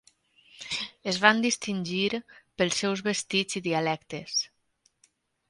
Es van distingir pels seus vestits i dialectes.